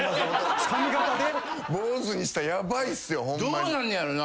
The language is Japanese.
どうなんねやろな？